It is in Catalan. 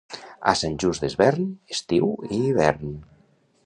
A Sant Just Desvern, estiu i hivern.